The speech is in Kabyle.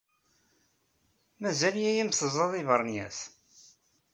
Mazal yaya-m teẓẓaḍ iberniyas?